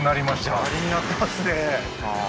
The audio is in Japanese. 砂利になってますね